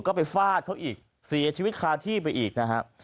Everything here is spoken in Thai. ก็ไปฟาดเขาอีกเสียชีวิตคาที่ไปอีกนะครับ